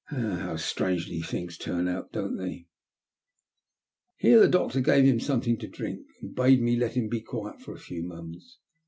How strangely things turn out, don't they?" THE END. Here the doctor gave him something to dr bade me let him be quiet for a few moments.